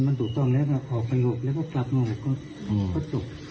มันถูกต้องแล้วก็ออกไป๖แล้วก็กลับมา๖ก็จบ